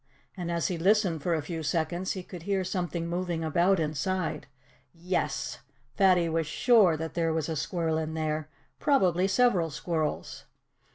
And as he listened for a few seconds he could hear something moving about inside. Yes! Fatty was sure that there was a squirrel in there probably several squirrels.